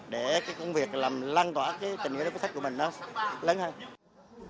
để công việc làm lăn tỏa trình nghiệm đọc sách của mình lớn hơn